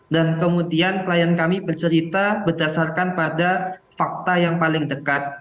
dan kemudian klien kami bercerita berdasarkan pada fakta yang paling dekat